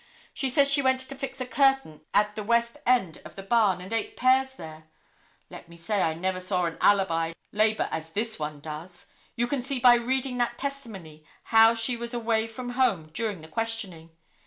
She says she went to fix a curtain at the west end of the barn and ate pears there. Let me say I never saw an alibi labor as this one does; you can see by reading that testimony how she was away from home during the questioning.